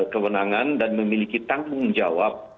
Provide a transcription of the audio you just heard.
kewenangan dan memiliki tanggung jawab